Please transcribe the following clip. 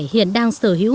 hiện đang sở hữu